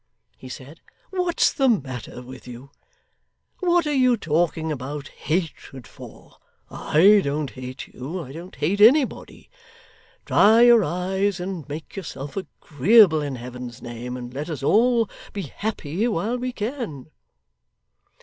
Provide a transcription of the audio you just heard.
he said. 'What's the matter with you? What are you talking about hatred for? I don't hate you; I don't hate anybody. Dry your eyes and make yourself agreeable, in Heaven's name, and let us all be happy while we can.